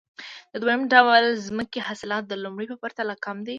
د دویم ډول ځمکې حاصلات د لومړۍ په پرتله کم دي